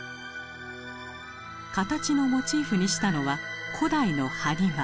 形のモチーフにしたのは古代の「埴輪」。